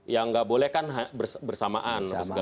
yang nggak boleh kan bersamaan